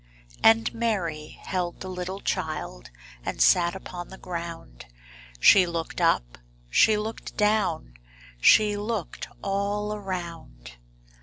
And Mary held the little child And sat upon the ground; She looked up, she looked down, She looked all around.